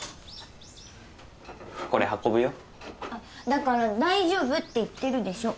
だから大丈夫って言ってるでしょ。